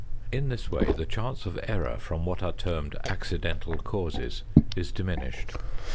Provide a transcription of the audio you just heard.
In this way the chance of error from what are termed "accidental causes" is diminished.